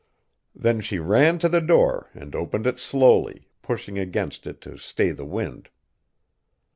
Then she ran to the door and opened it slowly, pushing against it to stay the wind.